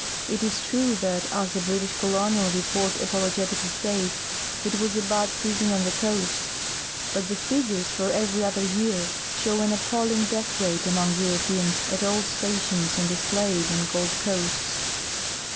It is true that, as a British colonial report apologetically states, it was a bad season on the coast, but the figures for every other year show an appalling death rate among Euro})eans at all sta tions on the Slave and Gold coasts.